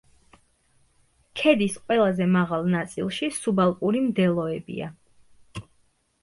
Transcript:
ქედის ყველაზე მაღალ ნაწილში სუბალპური მდელოებია.